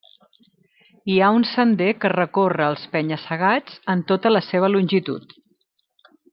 Hi ha un sender que recorre els penya-segats en tota la seva longitud.